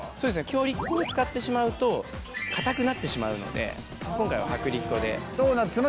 強力粉を使ってしまうとかたくなってしまうので今回は薄力粉で。